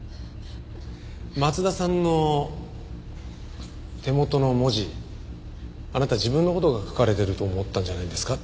松田さんの手元の文字あなた自分の事が書かれてると思ったんじゃないんですか？